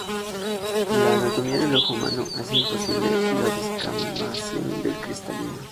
La anatomía del ojo humano hace imposible la descamación del cristalino.